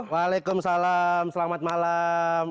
wa'alaikumussalam selamat malam